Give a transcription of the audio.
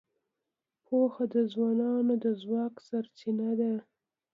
پوهه د ځوانانو د ځواک سرچینه ده.